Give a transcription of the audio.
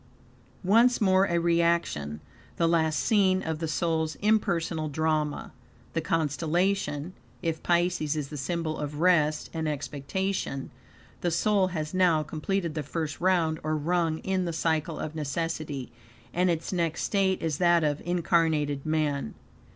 Once more a reaction the last scene of the soul's impersonal drama. The constellation (if Pisces is the symbol of rest and expectation. The soul has now completed the first round, or rung, in the Cycle of Necessity; and its next state is that of incarnated man.